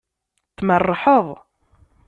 Tmerrḥeḍ.